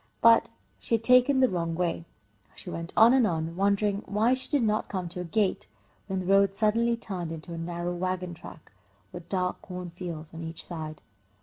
But she had taken the wrong way. She went on and on, wondering why she did not come to a gate, when the road suddenly turned into a narrow wagon track, with dark corn fields on each side.